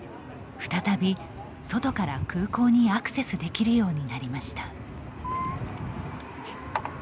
再び、外から空港にアクセスできるようになりました。